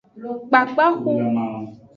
Kpakpaxu.